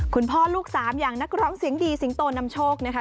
คุณพ่อลูกสามอย่างนักร้องเสียงดีสิงโตนำโชคนะคะ